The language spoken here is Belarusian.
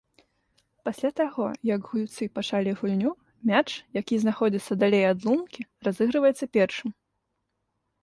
Пасля таго, як гульцы пачалі гульню, мяч, які знаходзіцца далей ад лункі разыгрываецца першым.